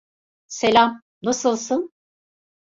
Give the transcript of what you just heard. Selam, nasılsın?